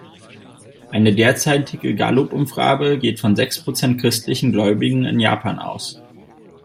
Eine derzeitige Gallup-Umfrage geht von sechs Prozent christlichen Gläubigen in Japan aus.